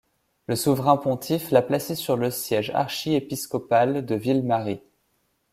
Le Souverain-Pontife l'a placé sur le siège archiépiscopal de Ville-Marie.